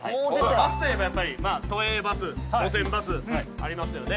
バスといえばやっぱり都営バス路線バスありますよね。